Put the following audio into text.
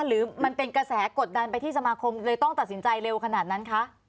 หรือมันเป็นกระแสกดดันไปที่สมาคมเลยต้องตัดสินใจเร็วขนาดนั้นคะ